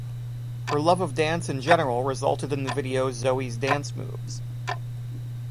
Her love of dance in general resulted in the video "Zoe's Dance Moves".